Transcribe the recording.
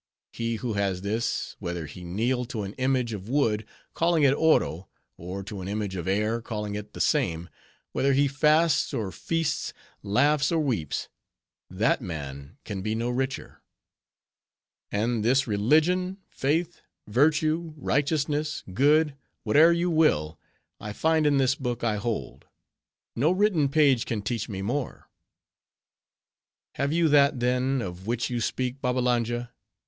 He who has this, whether he kneel to an image of wood, calling it Oro; or to an image of air, calling it the same; whether he fasts or feasts; laughs or weeps;—that man can be no richer. And this religion, faith, virtue, righteousness, good, whate'er you will, I find in this book I hold. No written page can teach me more." "Have you that, then, of which you speak, Babbalanja?